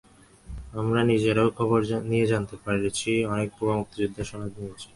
আমরা নিজেরাও খবর নিয়ে জানতে পেরেছি, অনেক ভুয়া মুক্তিযোদ্ধা সনদ নিয়েছেন।